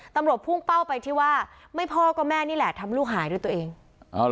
พุ่งเป้าไปที่ว่าไม่พ่อก็แม่นี่แหละทำลูกหายด้วยตัวเอง